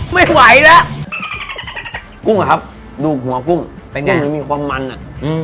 ไม่ไหวแล้วกุ้งอะครับดูหัวกุ้งเป็นยังไงมันมีความมันอ่ะอืม